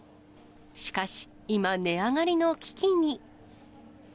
しかし今、値上がりの危機に。